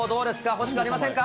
欲しくありませんか？